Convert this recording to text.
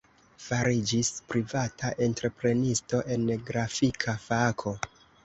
Fariĝis privata entreprenisto en grafika fako.